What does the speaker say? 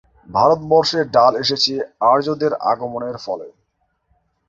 ভারতবর্ষে ডাল এসেছে আর্যদের আগমনের ফলে।